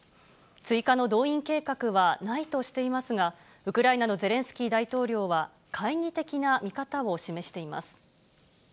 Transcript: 追加の動員計画はないとしていますが、ウクライナのゼレンスキー大統領は、懐疑的な見方を示しています。